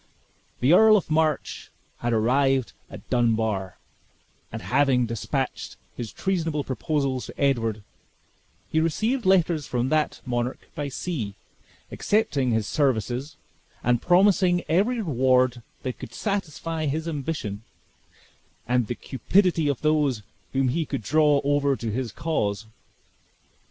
The Earl of March had arrived at Dunbar; and having dispatched his treasonable proposals to Edward, had received letters from that monarch by sea, accepting his services, and promising every reward that could satisfy his ambition, and the cupidity of those whom he could draw over to his cause.